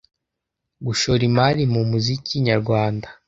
gushora imari mu muziki Nyarwanda